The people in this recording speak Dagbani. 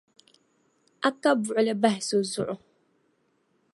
A ka buɣuli bahi so zuɣu.